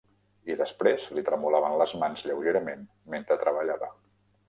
I després li tremolaven les mans lleugerament mentre treballava.